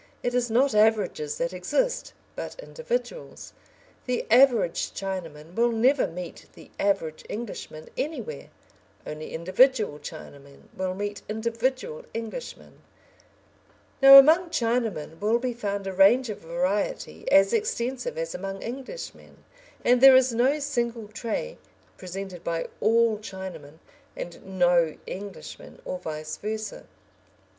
It is not averages that exist, but individuals. The average Chinaman will never meet the average Englishman anywhere; only individual Chinamen will meet individual Englishmen. Now among Chinamen will be found a range of variety as extensive as among Englishmen, and there is no single trait presented by all Chinamen and no Englishman, or vice versa.